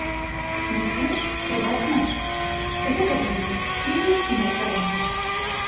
Найперш, трэба адзначыць, што гэта будзе не зусім рэферэндум.